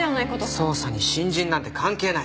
捜査に新人なんて関係ない。